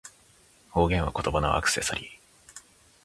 方言は、言葉のアクセサリー